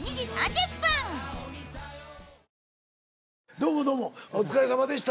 どうもどうもお疲れさまでした。